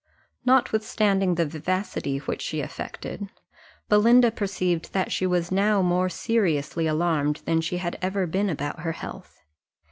Notwithstanding the vivacity which she affected, Belinda perceived that she was now more seriously alarmed than she had ever been about her health.